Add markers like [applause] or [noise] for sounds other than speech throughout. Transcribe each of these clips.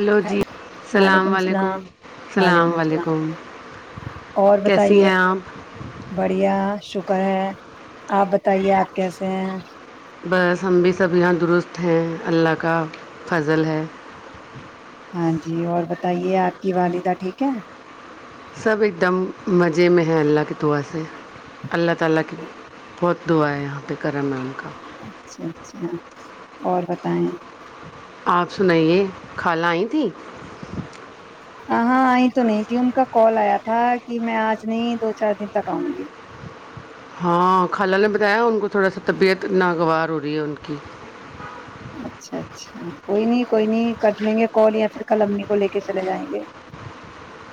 hello جی السلام وعلیکم علیکم السلام وعلیکم السلام اللام علیکم اور کیسی بتائیے ہیں آپ بڑھیا شکر ہے آپ بتائیے آپ کیسے ہیں بس ہم بھی سب یہاں درست ہیں اللہ کا فضل ہے ہاں جی اور بتائیے آپ کی والدہ ٹھیک ہے [inaudible] اچھا اچھا اور بتائیں آپ سنائیے خالہ آئی تھی ہاں آئی تو نہیں تھی ان کا کال آیا تھا کہ میں آج نہیں دو چار دن تک آؤں گی ہاں خالہ نے بتایا ان کو تھوڑا سا طبیعت ناگوار ہو رہی ہے ان کی اچھا اچھا کوئی نہیں کوئی نہیں کر لیں گے کال یا پھر کلمی کو لے کے چلے جائیں گے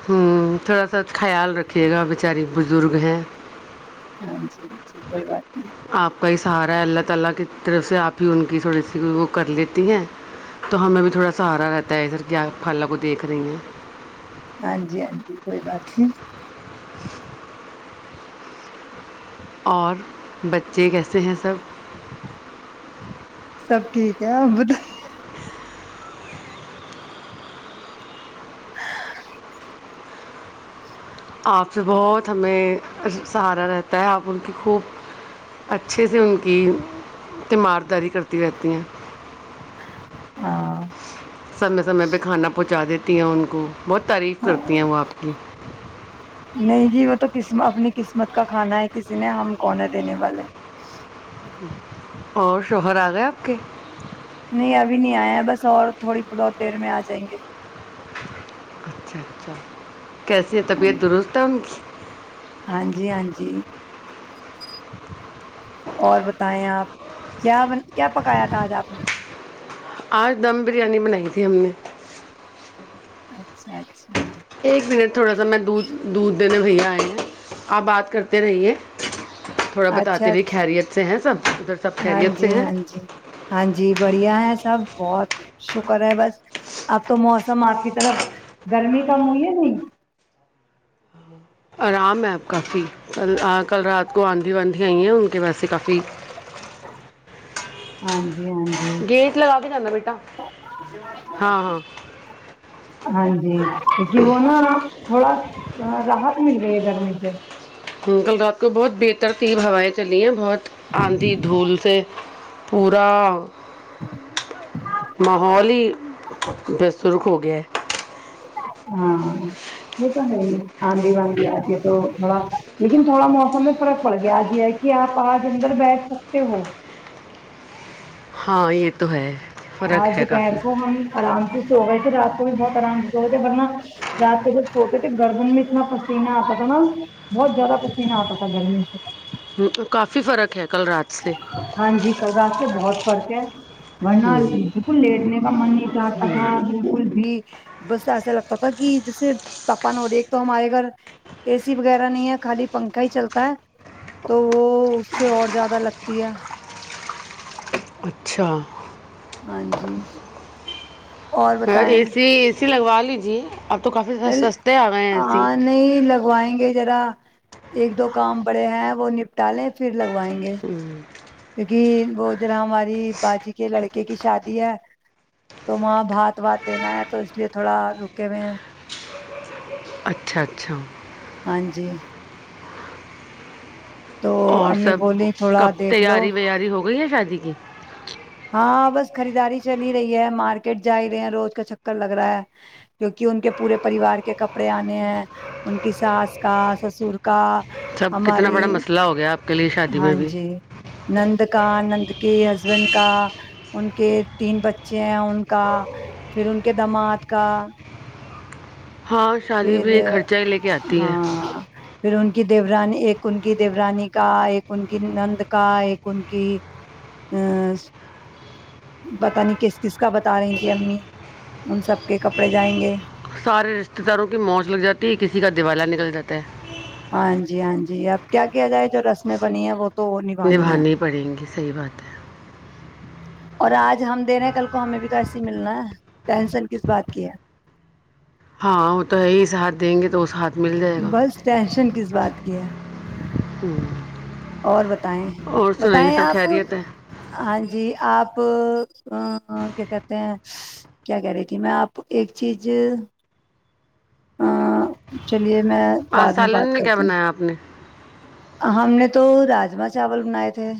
ہوں تھوڑا سا خیال رکھیے گا بیچاری بزرگ ہیں ہاں جی ہاں جی کوئی بات [inaudible] ہاں جی ہاں جی کوئی بات نہیں [inaudible] اور بچے کیسے ہیں سب سب ٹھیک ہے آپ بتائیے [inaudible] [inaudible] ہاں سمے سمے پہ کانا پہنچا دیتے ان کو بہت تعریف کرتی ہاں ہیں وہ آپ کی نہیں جی وہ تو قسم اپنی قسمت کا کھانا ہے کسی نے ہم کون دینے والے اور شوہر آ گئے آپ کے نہیں ابھی نہیں آیا بس اور تھوڑی بہت دیر میں آ جائیں گے اچھا اچھا [inaudible] کیسی ہے طبیعت درست ہے ان کی ہاں جی ہاں جی اور بتائیں آپ کیا کیا پکایا تھا آج آپ نے آج دم بریانی بنائی تھی ہم نے [inaudible] ایک منٹ تھوڑا سا میں دودھ دودھ دونوں بھیا آئ گ ہیں آپ بات کرتے رہیے تھوڑا اچھا بتاتے رہیے اچھا خیریت سے ہیں سب ادھر سب ہاں خیریت سے جی ہیں ہاں جی ہاں جی بڑھیا ہے سب بہت شکر ہے بس اب تو موسم آپ کی طرف گرمی کم ہوئی ہے نہیں آرام ہے آپ کافی کل کل رات کو آندھی واندھی آئی ہیں ان کے ویسے کافی [inaudible] جی ہاں جی گیٹ لگا کے جانا بیٹا ہاں ہاں ہاں جی کیک وہ نہا تھوڑا راہت مل یہ دھرمی سے کل رات کو بہت بہتر تیب ہوائیں چلی ہیں بہت آندھی دھول سے پورا ماحول ہی شروع ہو گیا ہے ہاں یہ تو نہیں آندھی باندھی آتی ہے تو تھوڑا لیکن تھوڑا موسم میں فرق پڑ گیا آج یہ ہے کہ آپ آج اندر بیٹھ سکتے ہو ہاں یہ تو ہے آج فرق ہے دوپہر کافی کو ہم آرام سے سو گئے تھ رات بھی بہت آرام سے سو تھ ورنہ رات کو جب سوتے تھے گردن میں اتنا پسینہ آتا تھا نا بہت زیادہ پسینہ آتا تھا گرمی سے کافی فرق ہے کل رات سے ہاں جی کل رات سے بہت فرق ہے ورنہ ہوں بالکل لیٹنے کا من نہیں چاہتا تھا بالکل بھی بس ایسا لگتا پ تھاا کہ جیسے تاپمان ہو رہی ایک تو ہمارے گھر اے سی وغیرہ نہیں ہے خالی پنکھا ہی چلتا ہے تو وہ اس سے اور لگتی ہے اچھا ہاں جی اور بتائیں جی لگوا لیجیے اب تو کافی سستے آ گئے ہیں اے سی ہاں نہیں لگوائیں گے ذرا ایک دو کام بڑے ہیں وہ نپٹال لیں پھر لگوائیں گے کیونکہ وہ جرا ہماری باجی کے لڑکے کی شادی ہے تو وہاں بھات وات دینا ہے تو اس لیے تھوڑا رکے ہوئے ہیں اچھا اچھا ہاں جی تو اور امی سب بولی تھوڑا کب دیکھ لو تیاری ویاری ہو گئی ہے شادی ایک ہاں بس خریداری چل ہی رہی ہے مارکیٹ جا ہی رہے ہیں روز کا چکر لگ رہا ہے کیونکہ ان کے پورے پریوار کے کپڑے آنے ہیں ان کی ساس کا سسر کا سب کتنا ہماری بڑا مسئلہ ہو گیا آپ کے لیے شادی ہاں میں بھی جی نند کا نند کے ہسبینڈ ان کے تین بچے ان کا پھر ان کے اقدمات کا ہاں شادی میں پھر یہ خرچہ ہی لے کے آتی ہے ہاں پھر ان کی دیو دی رانی ایک ان کی دی رانی کا ایک ان کی نند کا ایک ان کی ا پت نہیں کس کس کا بتا رہی تھی امی ان سب کے کپڑے جائیں گے سارے رشتے داروں کی موچ لگ جاتی ہے کسی کا دیوالا نکل جاتا ہے ہاں جی ہاں جی اب کیا کیا جائے جو رسمیں بنی ہیں وہ تو نبھانی ہے پڑیں گی صحیح بات ہے اور آج ہم دنے ہیں کل کو ہمیں بھی تو ایسے ہی ملنا ہے ٹینسن کس بات کی ہے ہاں وہ تو ہےی ساتھ دیں گے تو ساتھ مل جائے گا بس ٹینشن کس بات کی ہے ہوں، اور بتائیں اور سنائیے بتائیں سب آپ خیریت ہے ہاں جی آپ کیا کہتے ہیں کیا کہہ رہی تھی میں آپ ایک چیز [unintelligible] اس لیے میں آج بعد میں سالن بات کیا کرتی بنایا آپ نے ہ ہم نے تو راجما چاول بنائے تھے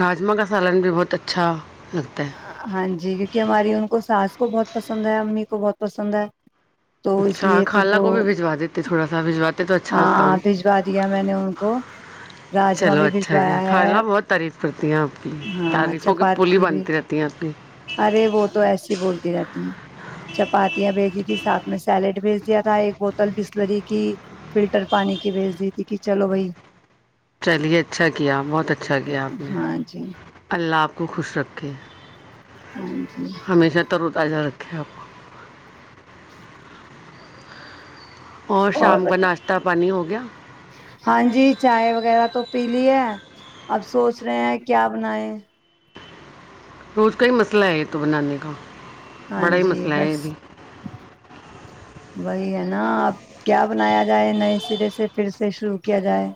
راجما کا سالن بھی بہت اچھا لگتا ہے ہاں جی کیونکہ ہماری ان کو سانس کو بہت پسند ہے امی کو بہت پسند ہے تو اس اچھا لیے پھر خالا وہ کو بھی بجوا دیتے تھوڑا سا بھجواتے تو اچھا لگتا ہوں ہاں بھجوا دیا میں نے ان کو راجما چلو بھی اچھا گیا بھجوایا خالہ ہے بہت تعریف کرتی ہیں آپ کی ہاں تعریفوں کی پلی چپاتی بھی بنتی رہتی ہیں آپ کی ارے وہ تو ایسیے ہی بولتی رہتی ہیں چپاتیاں بھیج دی تھی سات میں سیلیڈ بھیج دیا تھا ایک بوتل بسلری کی فلٹر پانی کی بھیج دی تھی کہ چلو بھائی چلیے اچھا کیا بہت اچھا کیا آپ نے ہاں جی اللہ آپ کو خوش رکھیں ہاں جی ہمیشہ ترو تازہ رکھتی کپ جی کو اور شام کا ناشتہ پانی ہو گیا ہاں جی چائے وغیرہ تو پی لی ہے اب سوچ رہے ہیں کیا بنائے روز کا ہی مسئلہ ہے یہ تو بنانے کا ہاں بڑا ہی جی مسئلہ ہے بس یہ بھی وہی ہے نہ اب کیا بنایا جائے نئے سرے سے پھر سے شروع کیا جائے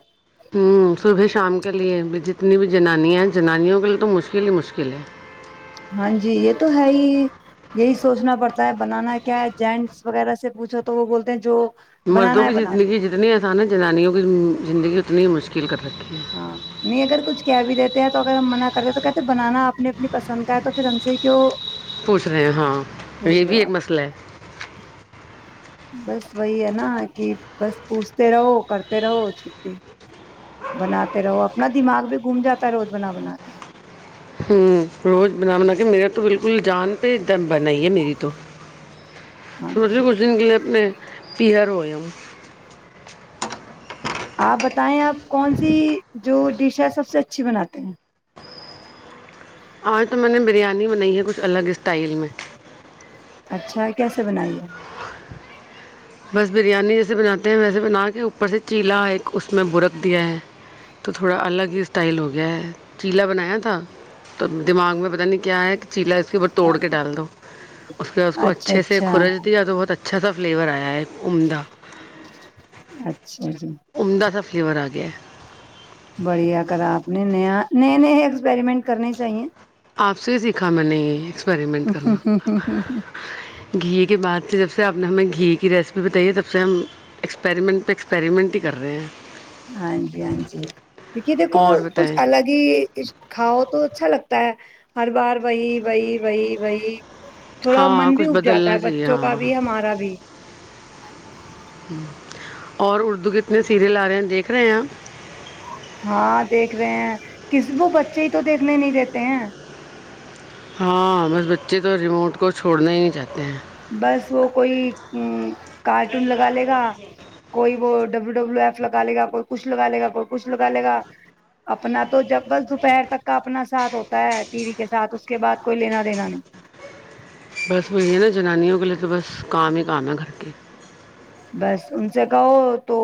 ہوں صبح شام کے لیئے جتنی بھی جنانیاں ہیں جنانیوں کے لیے تو مشکل ہی مشکل ہے ہاں جی یہ تو ہے ہی یہی سوچنا پڑتا ہے بنانا کیا ہے جینٹس وغیرہ سے پوچھو تو وہ بولتے ہیں جو مردوں بنانا ہے کی بنا دو زندگی جتنی آسان ہے جنانیوں کی زندگی اتنی ہی مشکل [unintelligible] ہاں نہیں اگر کچھ کیا بھی رہ تو اگر ہم منع کریں تو کہتے ہیں بنانا اپنے اپنی پسند کا ہے تو پھر ہم سے کی پوچھ رہے ہیں ہاں یہ بھی ایک مسئلہ ہے بس وہی ہے نا کہ بس پوچھتے رہو کرتے رہو چھٹی بناتے رہو اپنا دماغ بھی گھوم جاتا ہے روز بانہ بناات کے ہوں روز بنا بنا کے میرا تو بالکل جان پ د بنائی ہے میری تو سمت کو دن کے لیے اپ نے پییہرویم آپ بتائیں آپ کون سی جو ڈش ہے سب سے اچھی بناتے ہیں آج تو میں نے بریانی بنائی ہے کچھ الگ اسٹائل میں اچھا کیسے بنائیے بس بریانی جیسے بناتے ہیں ویسے بنا کے اوپر سے چیلا ایک اس میں برک دیا ہے تو تھوڑا الگ ہی اسٹائل ہو گیا ہے چیلا بنایا تھا تو دماغ میں پتہ نہیں کیا ہے جی استعمال تو کے دال دو ہے اچھا استعمال اچھا کھرچ ڈی اھا فلیور ہے ایک اچھا جی فورورگے بڑھیا کرا آپ نے نیا نئے نئے ایکسپریمنٹ کرنے چاہیے آپ سے سیکھا میں نے یہ ہ ایکسپیریمنٹ ہ کرنا ہ ہ ہ ہ گھی کے بعد سے جب سے آپ نے ہمیں گھی کی ریسیپی بتائی ہے تب سے ہم ایکسپریمنٹ پہ ایکسپریمنٹ ہی کر رہے ہیں ہاں جی ہاں جی کییک دیکھو اور کچھ بتائیں الگ ہی کاؤ تو اچھا لگتا ہے ہر بار وہی بی بی بی تھوڑا من ہاں بھی کچھ اگ جاتا بدلنا ہے چاہیے بچوں کا ہاں بھی ہمارا بھی ہ اور اردو کتنے سیریل آ رہے ہیں دیکھ رہے ہیں آپ ہاں دیکھ رہے ہیں کسب بچے ہی تو دیکھنے نہیں دیتے ہیں ہاں بس بچے تو ریموٹ کو چھوڑنا ہی چاہتے ہیں بس وہ کوئی ا کارٹون لگا لے گا کوئی وہ ڈبلو ڈبلو ایف لگ لے گا کوئی کچھ لگ لے گا کوئی کچھ لگا لے گا اپنا تو جگ بل دوپہر تک کا اپنا ساتھ ہوتا ہے ٹی وی کے ساتھ اس کے بعد کوئی لینا دینا نہیں بس وہی ہے نا جنانیوں کے لیے تو بس کام ہی کام ہے گھر کے بس ان سے کہو تو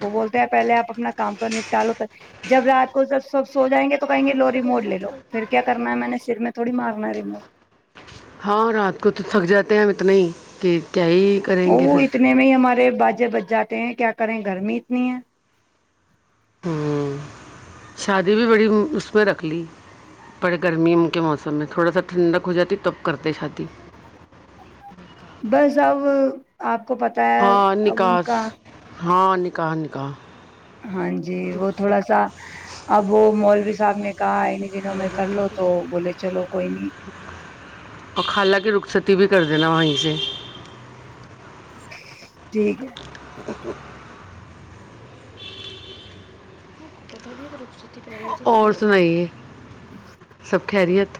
وہ بولتے ہیں پہلے آپ اپنا کام تو نپٹالو جب رات کو سب سب سو جائیں گے تو کہیں گے لوری موڑ لو پھر کیا کرنا ہے میں نے سر میں تھوڑی مارنا ہے م ہاں رات کو تو تھک جاتے ہیں ہم اتنے ہی کہ کیا ہی کریں گے وہ پھر اتنے میں ہی ہمارے باجے بجا ہیں کیا کریں گرمی اتنی ہے ہوں، شادی بھی بڑی اس میں رکھ لی بڑے گرمیوں کے موسم میں تھوڑا سا ٹھنڈک ہو جاتی تب کرتے شادی بس اب آپ کو پتا ہے ہاں ا ان نکاس کا ہاں نکاح نکاح ہاں جی وہ تھوڑا سا اب وہ مال [unintelligible] سامنے [unintelligible] کہ ان دنوں میں کر لو تو بولے چلو کوئی نہیں [unintelligible] رھٹی بھی کر دینا وہیں سے [unintelligible] ٹھیک ہے [unintelligible] ا [inaudible] اور سنائیے [unintelligible] جچ [unintelligible] س خریت [unintelligible]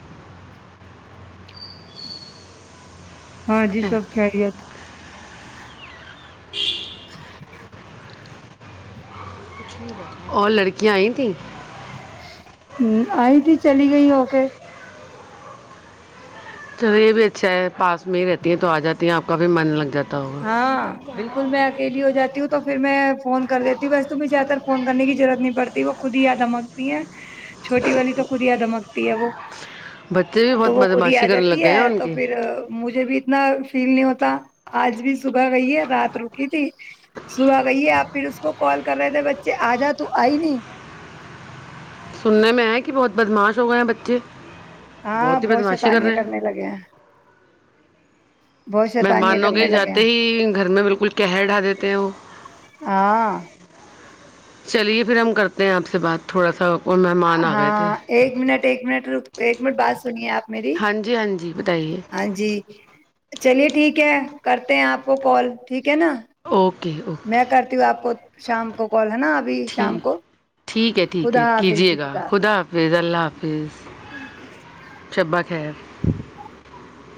ہاں جی سب خریت جی [inaudible] اور لڑکیاں آئی تیں [unintelligible] ہ آئی تھی چلی گئی ہو کے چلو یہ بھی اچھا ہے پاس میں ہی رہتی ہیں تو آ جاتی ہیں آپ کا بھی من لگ جاتا ہے ہاں بالکل میں اکیلی ہو جاتی ہوں تو پھر میں فون کر دیتی ہوں ویسے مجھے زیاد تر فون کر کی ضرورت نہیں پڑتی وہ خود ہی یادہ مانگتی ہیں [unintelligible] چھوٹی والی تو کودیا دمکتی ہے وہ بچے بھی بہت تو وہ خودی آ بدماشی کرنے لگ جاتی گئے ہے ہیں ان تو کے پھر مجھے بھی اتنا فیل نہیں ہوتا تا [unintelligible] آج بھی صبح گئیے رات رکی تھی صبح گئی آپ پھر اس کو کال کر رہے تھے بچے آ جا تو آئی نہیں [unintelligible] سننے میں آ کہ بہت بدماش ہو گئے ہیں بچے [unintelligible] ہاں ہی بہت بدماشی کر شیتانیاں رہے ہیں کرنے لگے ہیں بہت شیطانیاں مہمانوں کے کرنے لگے جاتے ہیں ہی گھر میں بالکل قہر ڈھا دیتے ہیں وہ ہاں چلیے پھر ہم کرتے ہیں آپ سے بات تھوڑا سا اوکے ہاں ایک منٹ ایک منٹ ر [unintelligible] ایک منٹ بس [unintelligible] سنیے آپ میری ہاں جی ہاں جی بتائیے [unintelligible] ہاں جی چلیے ٹھیک ہے [unintelligible] کرتے ہیں آپ کو کال ٹھیک ہے نا [unintelligible] اوکے [unintelligible] میں کرتی ہوں آپ کو شام کو کال [unintelligible] شام ٹھیک کو ٹھیک ہے ٹھیک خدا ہے حافظ کیجیے جی گا خدا حافظ اللہ حافظ شبہ خیر [unintelligible] [inaudible]